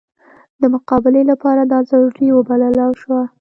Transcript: د مقابلې لپاره دا ضروري وبلله شوه.